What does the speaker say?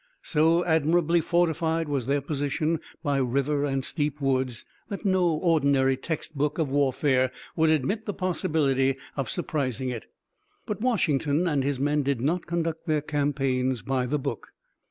So admirably fortified was their position by river and steep woods, that no ordinary text book of warfare would admit the possibility of surprising it. But Washington and his men did not conduct their campaigns by the book.